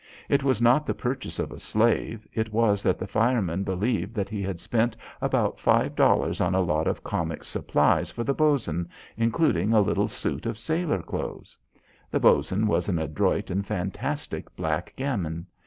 It was not the purchase of a slave; it was that the fireman believed that he had spent about five dollars on a lot of comic supplies for the Bos'n, including a little suit of sailor clothes. The Bos'n was an adroit and fantastic black gamin.